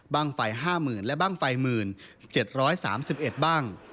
บางไฟ๕๐๐๐๐และบางไฟ๑๐๐๐๐๗๓๑บาง